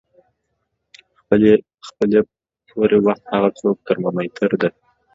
خپلې پورې وخت هغه څوکه ترمامیټر د